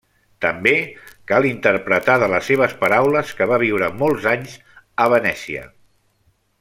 També cal interpretar de les seves paraules que va viure molts anys a Venècia.